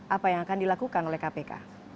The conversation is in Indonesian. apa yang akan dilakukan oleh kpk